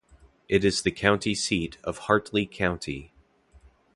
It is the county seat of Hartley County.